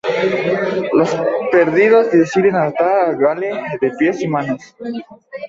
Los perdidos deciden atar a Gale de pies y manos.